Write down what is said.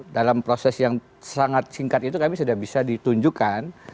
dalam proses yang sangat singkat itu kami sudah bisa ditunjukkan